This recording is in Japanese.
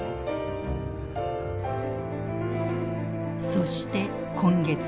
そして今月。